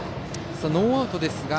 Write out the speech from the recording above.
さあ、ノーアウトですが。